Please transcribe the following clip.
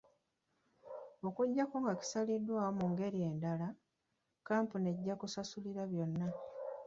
Okuggyako nga kisaliddwawo mu ngeri endala, Kkampuni ejja kusasulira byonna.